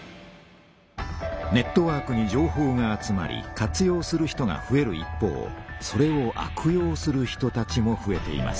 ネットワークに情報が集まり活用する人がふえる一方それを悪用する人たちもふえています。